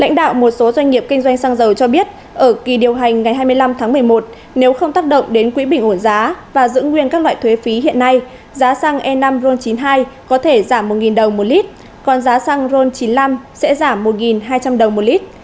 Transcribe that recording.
lãnh đạo một số doanh nghiệp kinh doanh xăng dầu cho biết ở kỳ điều hành ngày hai mươi năm tháng một mươi một nếu không tác động đến quỹ bình ổn giá và giữ nguyên các loại thuế phí hiện nay giá xăng e năm ron chín mươi hai có thể giảm một đồng một lít còn giá xăng ron chín mươi năm sẽ giảm một hai trăm linh đồng một lít